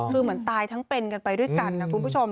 คือเหมือนตายทั้งเป็นกันไปด้วยกันนะคุณผู้ชม